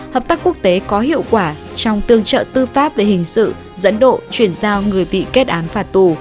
hợp tác quốc tế có hiệu quả trong tương trợ tư pháp về hình sự dẫn độ chuyển giao người bị kết án phạt tù